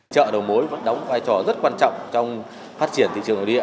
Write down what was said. chợ đầu mối vẫn đóng vai trò rất quan trọng trong phát triển thị trường nội địa